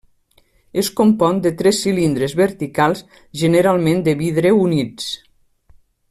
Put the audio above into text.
Es compon de tres cilindres verticals generalment de vidre units.